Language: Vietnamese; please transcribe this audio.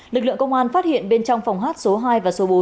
lực lượng công an phát hiện bên trong phòng hát số hai và số bốn